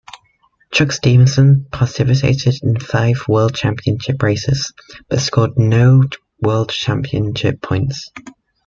Chuck Stevenson participated in five World Championship races, but scored no World Championship points.